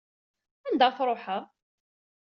Anda ara truḥeḍ?